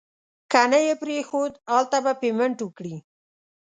که نه یې پرېښود هلته به پیمنټ وکړي.